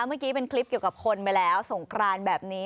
เมื่อกี้เป็นคลิปเกี่ยวกับคนไปแล้วสงกรานแบบนี้